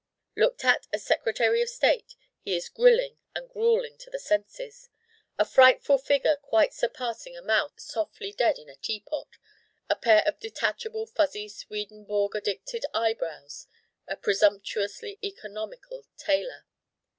Looked at as Secretary of State he is grilling and gruelling to the senses: a frightful figure quite surpassing a mouse softly dead in a tea pot, a pair of detachable fuzzy Swedenborg addicted eyebrows, a presumptuously economical tailor.